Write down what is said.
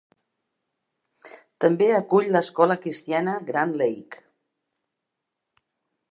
També acull l'escola cristiana Grand Lake.